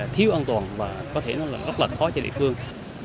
thiếu an toàn và có thể nó là rất là khó cho địa phương